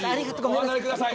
お離れください